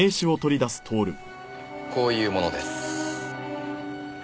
こういう者です。